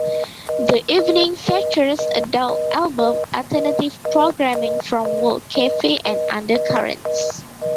The evening features adult album alternative programming from "World Cafe" and "UnderCurrents".